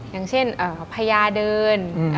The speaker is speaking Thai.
อย่างเช่นพญาเดิน